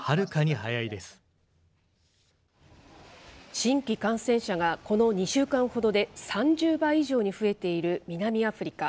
新規感染者がこの２週間ほどで３０倍以上に増えている南アフリカ。